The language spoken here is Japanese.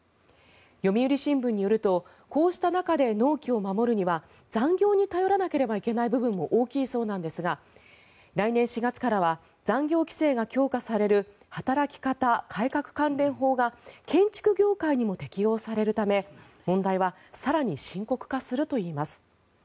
読売新聞によるとこうした中で納期を守るには残業に頼らなければいけない部分も大きいそうなんですが来年４月からは残業規制が強化される働き方改革関連法が建築業界にも適用されるため問題は更に深刻化するといいます。